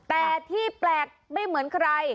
แต่ที่แปลกไม่เหมือนใคร